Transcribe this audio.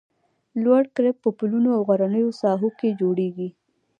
لوړ کرب په پلونو او غرنیو ساحو کې جوړیږي